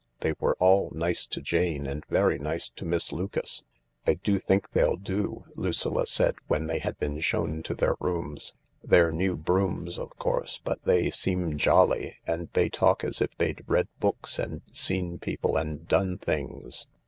They were all nice to Jane and very nice to Miss Lucas. " I do think they'll do," Lucilla said, when they had been shown to their rooms. " They're new brooms, of course, but they seem jolly, and they talk as if they'd read books and seen people and done things."